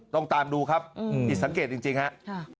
ต้องตามดูครับผิดสังเกตจริงครับ